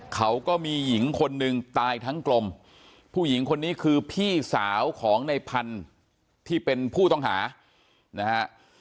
เขาก็มีหญิงคนหนึ่งตายทั้งกลมผู้หญิงคนนี้คือพี่สาวของในพันธุ์ที่เป็นผู้ต้องหานะฮะ